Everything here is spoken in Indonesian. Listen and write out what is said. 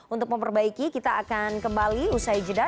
untuk memperbaiki kita akan kembali usai jeda